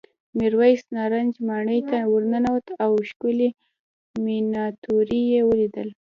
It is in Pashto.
میرويس نارنج ماڼۍ ته ورننوت او ښکلې مېناتوري یې ولیدل.